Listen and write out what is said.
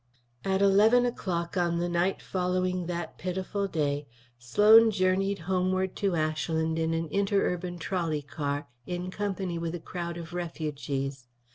At eleven o'clock on the night following that pitiful day Sloan journeyed homeward to Ashland in an inter urban trolley car in company with a crowd of refugees.